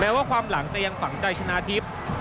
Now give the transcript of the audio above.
ว่าความหลังจะยังฝังใจชนะทิพย์